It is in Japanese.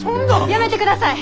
やめてください！